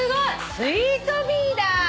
「スイートビー」だ！